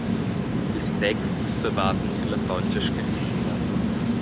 Ils texts sebasan sin la Sontga Scartira.